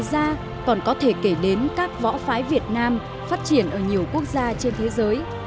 ngoài ra còn có thể kể đến các võ phái việt nam phát triển ở nhiều quốc gia trên thế giới